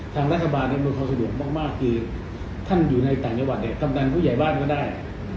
ทางรัคบาลมีประโยคสะดวกมากท่านอยู่ในต่างจัวร์ทำดังผู้ใหญ่บ้านก็ได้